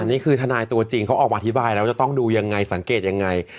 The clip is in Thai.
นี่คือทนายตัวจริงเขาออกมาอธิบายแล้วจะต้องดูยังไงสังเกตยังไง